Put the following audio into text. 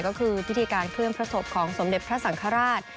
ก็คือพิธีการเคลื่อนพระศพของสมเด็จพระสังฆราช